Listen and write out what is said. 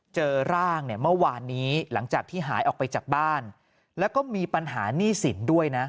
เจอร่างเนี่ยเมื่อวานนี้หลังจากที่หายออกไปจากบ้านแล้วก็มีปัญหาหนี้สินด้วยนะ